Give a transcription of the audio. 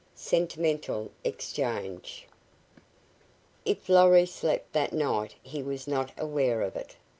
SENTIMENTAL EXCHANGE If Lorry slept that night he was not aware of it.